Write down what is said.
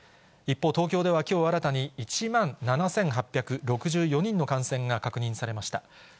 一方、東京ではきょう新たに、１万７８６４人の感染が確認されました。